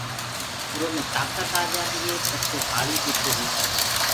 اُرو مي تآڪت آجآندي هي پڇي هآݪي جيڪو هي